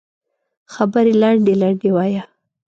خبرې لنډې لنډې وایه